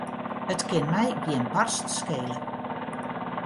It kin my gjin barst skele.